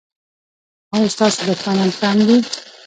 ایا ستاسو دښمنان کم دي؟